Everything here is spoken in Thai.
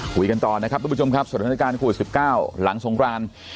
คุยกันต่อนะครับทุกผู้ชมครับสถานการณ์โควิด๑๙หลังสงคราน